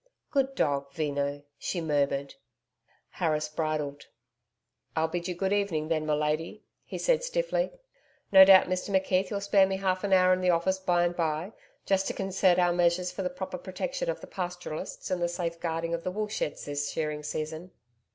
'Good dog, Veno,' she murmured. Harris bridled. 'I'll bid you good evening then, my lady,' he said stiffly. 'No doubt, Mr McKeith, you'll spare me half an hour in the office by and by. Just to concert our measures for the proper protection of the Pastoralists and the safeguarding of the woolsheds this shearing season.'